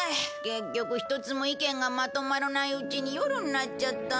結局ひとつも意見がまとまらないうちに夜になっちゃった。